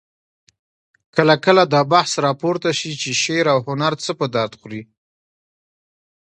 کله کله دا بحث راپورته شي چې شعر او هنر څه په درد خوري؟